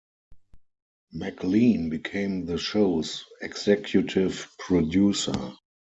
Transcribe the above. McLean became the show's executive producer.